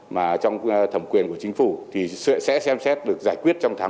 mà trong thẩm quyền của chính phủ thì sẽ xem xét được giải quyết trong tháng một mươi hai